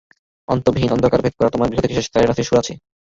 অন্তবিহীন অন্ধকার ভেদ করে তোমার গৃহ থেকে শেষ সানাইয়ের সুর আসে।